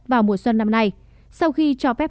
vào mùa xuân năm nay sau khi cho phép